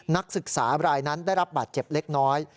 นักศึกษารายนั้นได้รับบาดเจ็บเล็กน้อย